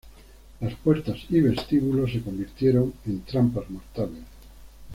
Las puertas y vestíbulos se convirtieron en trampas mortales.